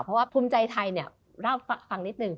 เพราะว่าภูมิใจไทยเนี่ยเล่าฟังนิดนึง